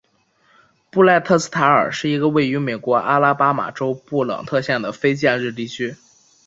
布赖特斯塔尔是一个位于美国阿拉巴马州布朗特县的非建制地区。